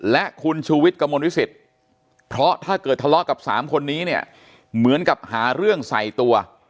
และคุณชูวิทย์กระมวลวิสิตเพราะถ้าเกิดทะเลาะกับสามคนนี้เนี่ยเหมือนกับหาเรื่องใส่ตัว